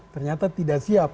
ternyata tidak siap